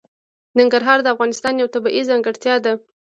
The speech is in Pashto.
ننګرهار د افغانستان یوه طبیعي ځانګړتیا ده.